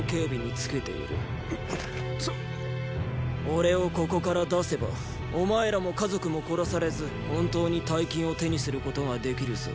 俺をここから出せばお前らも家族も殺されず本当に大金を手にすることができるぞ。